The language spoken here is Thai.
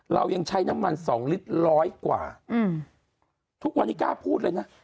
เรายังใช้น้ำมันสองลิตรร้อยกว่าอืมทุกวันนี้กล้าพูดเลยนะ